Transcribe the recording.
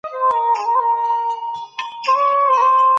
که انلاین ښوونه وي.